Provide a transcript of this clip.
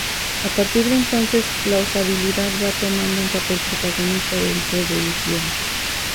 A partir de entonces, la usabilidad va tomando un papel protagonista en su evolución.